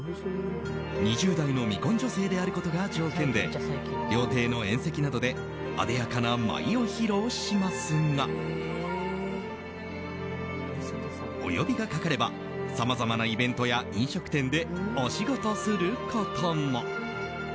２０代の未婚女性であることが条件で料亭の宴席などであでやかな舞を披露しますがお呼びがかかればさまざまなイベントや飲食店でお仕事することも。